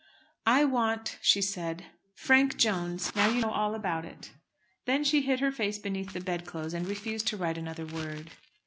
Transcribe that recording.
"I want," she said, "Frank Jones. Now you know all about it." Then she hid her face beneath the bedclothes, and refused to write another word.